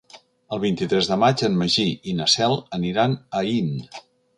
El vint-i-tres de maig en Magí i na Cel aniran a Aín.